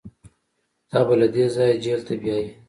تا به له دې ځايه جېل ته بيايي.